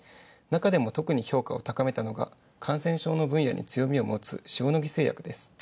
なかでも特に評価を高めたのは感染症の分野に強みをもつ塩野義製薬です。